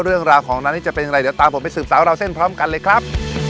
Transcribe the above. เรื่องราวของร้านนี้จะเป็นอย่างไรเดี๋ยวตามผมไปสืบสาวราวเส้นพร้อมกันเลยครับ